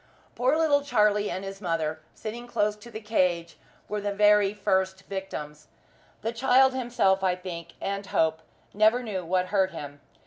Poor little Charlie and his mother, sitting close to the cage, were the very first victims. The child himself, I think, and hope, never knew what hurt him.